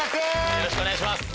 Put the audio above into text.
よろしくお願いします。